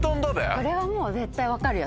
これはもう絶対分かるよ。